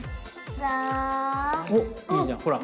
おっいいじゃんほら。